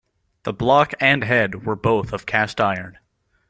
The block and head were both of cast iron.